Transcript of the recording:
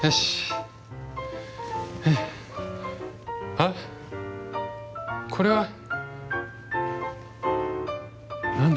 あっこれは？何だ？